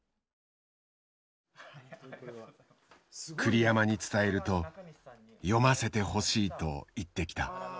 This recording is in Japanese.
栗山に伝えると読ませてほしいと言ってきた。